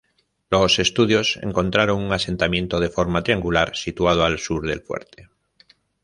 Los estudios encontraron un asentamiento de forma triangular situado al sur del fuerte.